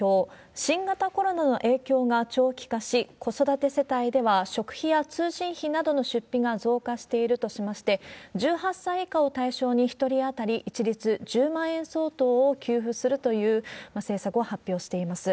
新型コロナの影響が長期化し、子育て世帯では食費や通信費などの出費が増加しているとしまして、１８歳以下を対象に、１人当たり一律１０万円相当を給付するという政策を発表しています。